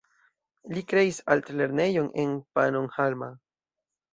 Li kreis altlernejon en Pannonhalma.